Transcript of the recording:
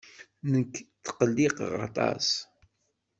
Nekk tqelliqeɣ aṭas.